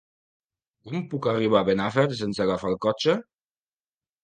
Com puc arribar a Benafer sense agafar el cotxe?